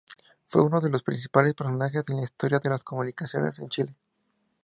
Fue uno de los principales personajes en la historia de las comunicaciones en Chile.